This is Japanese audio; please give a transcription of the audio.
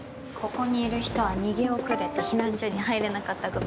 ここにいる人は逃げ遅れて避難所に入れなかった組。